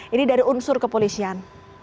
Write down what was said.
ini dari unsur kepolisian